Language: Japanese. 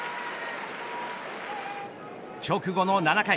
直後の７回。